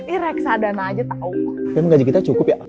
ini reksadana aja tau emang gaji kita cukup ya